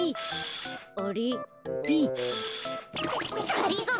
がりぞー